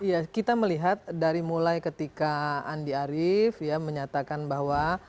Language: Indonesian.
ya kita melihat dari mulai ketika andi arief ya menyatakan bahwa